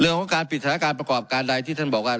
เรื่องของการปิดสถานการณ์ประกอบการใดที่ท่านบอกว่า